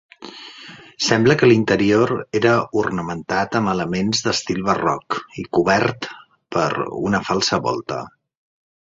Sembla que l'interior era ornamentat amb elements d'estil barroc i cobert per una falsa volta.